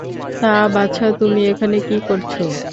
তা, বাছা, তুমি এখানে কী করছ?